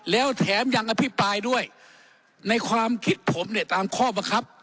แล้วแถมยังอภิปรายด้วยในความคิดผมเนี่ยตามข้อบังคับ